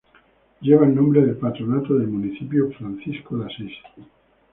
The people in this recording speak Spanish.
Lleva el nombre del patrono del Municipio, Francisco de Asís.